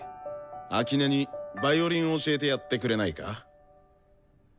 秋音にヴァイオリン教えてやってくれないか？